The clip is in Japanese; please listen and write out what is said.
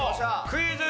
クイズ。